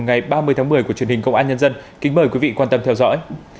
ngày ba mươi tháng một mươi của truyền hình công an nhân dân kính mời quý vị quan tâm theo dõi